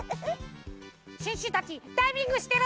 シュッシュたちダイビングしてる！